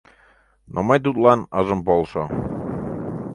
— Но мый тудлан ыжым полшо.